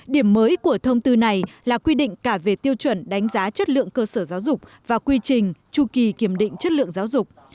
điểm mới của thông tư này là quy định cả về tiêu chuẩn đánh giá chất lượng cơ sở giáo dục và quy trình tru kỳ kiểm định chất lượng giáo dục